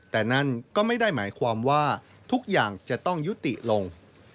แต่นั่นก็ไม่ได้หมายความว่าทุกอย่างจะต้องยุติลง